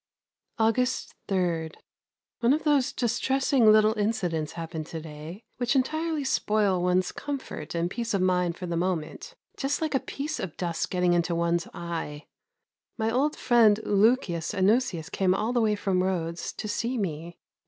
August 3. One of those distressing little incidents happened to day which entirely spoil one's comfort and peace of mind for the moment: just like a piece of dust getting into one's eye. My old friend Lucius Anuseius came all the way from Rhodes to see me.